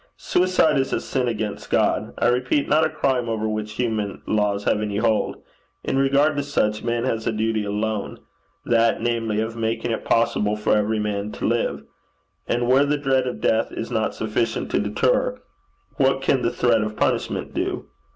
Suicide is a sin against God, I repeat, not a crime over which human laws have any hold. In regard to such, man has a duty alone that, namely, of making it possible for every man to live. And where the dread of death is not sufficient to deter, what can the threat of punishment do?